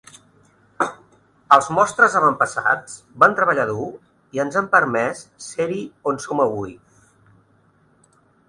Els mostres avantpassats van treballar dur i ens han permès ser-hi on som avui.